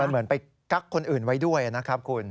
เหมือนไปกั๊กคนอื่นไว้ด้วยนะครับคุณ